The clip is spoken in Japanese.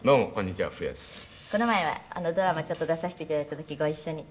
この前はドラマちょっと出させて頂いた時ご一緒に。